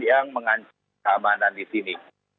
yang mengancam keamanan di sini